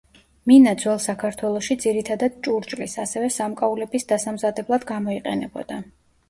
მინა ძველ საქართველოში ძირითადად ჭურჭლის, ასევე სამკაულების დასამზადებლად გამოიყენებოდა.